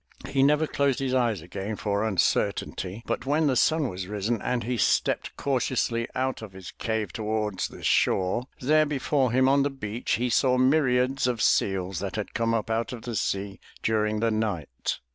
He never closed his eyes again for imcertainty but when the sun was risen and he stepped cautiously out of his cave towards the shore, there before him on the beach he saw myriads of seals that had come up out of the sea during the night.